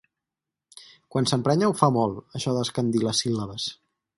Quan s'emprenya ho fa molt, això d'escandir les síl·labes.